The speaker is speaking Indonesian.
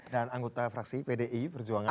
dan anggota fraksi pdi perjuangan